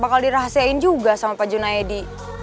bakal dirahasiain juga sama pak junaidi